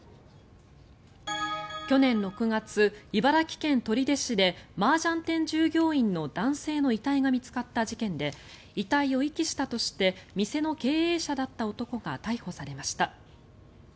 去年６月、茨城県取手市でマージャン店従業員の男性の遺体が見つかった事件で遺体を遺棄したとして店の経営者だった男が逮捕されました。